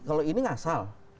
kalau ini ngasal